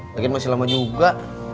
lagi masih lama juga